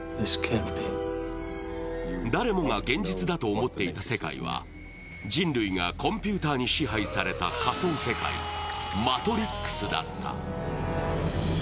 誰もが現実だと思っていた世界は人類がコンピューターに支配された仮想世界、マトリックスだった。